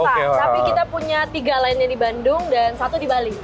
tapi kita punya tiga lainnya di bandung dan satu di bali